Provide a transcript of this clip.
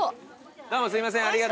どうもすいません